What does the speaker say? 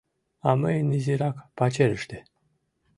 А мыйын изирак пачерыште